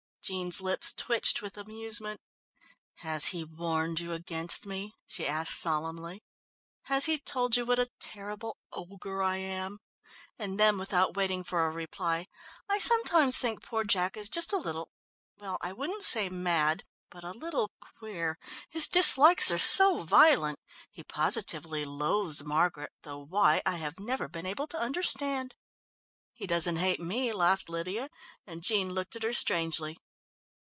Jean's lips twitched with amusement. "Has he warned you against me?" she asked solemnly. "Has he told you what a terrible ogre I am?" And then without waiting for a reply: "I sometimes think poor Jack is just a little well, I wouldn't say mad, but a little queer. His dislikes are so violent. He positively loathes Margaret, though why I have never been able to understand." "He doesn't hate me," laughed Lydia, and Jean looked at her strangely.